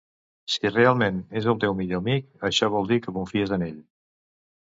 Si realment és el teu millor amic, això vol dir que confies en ell.